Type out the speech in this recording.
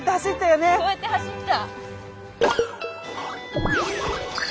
こうやって走った。